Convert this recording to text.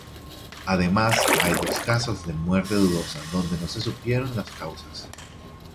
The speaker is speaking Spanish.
Además, hay dos casos de muerte dudosa donde no se supieron las causas.